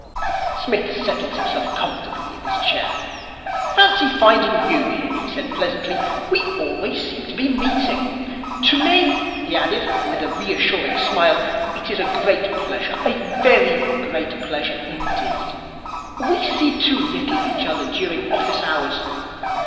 Psmith settled himself comfortably in his chair. 'Fancy finding you here,' he said pleasantly. 'We seem always to be meeting. To me,' he added, with a reassuring smile, 'it is a great pleasure. A very great pleasure indeed. We see too little of each other during office hours.